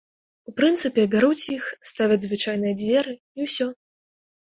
У прынцыпе, бяруць іх, ставяць звычайныя дзверы, і ўсё!